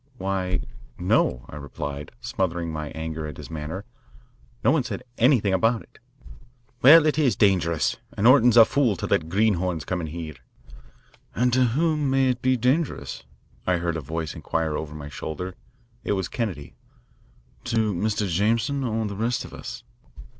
"Why, no," I replied, smothering my anger at his manner. "No one said anything about it." "Well, it is dangerous, and Orton's a fool to let greenhorns come in here." "And to whom may it be dangerous?" I heard a voice inquire over my shoulder. It was Kennedy. "To Mr. Jameson or the rest of us?"